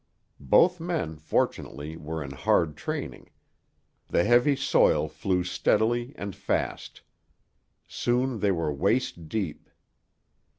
Both men, fortunately, were in hard training. The heavy soil flew steadily and fast. Soon they were waist deep.